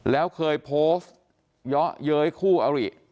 แล้วเคยโพสต์เยาะเย้ยคู่อริ